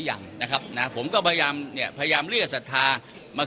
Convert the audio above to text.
ยังนะครับนะผมก็พยายามเนี่ยพยายามเรียกศรัทธามา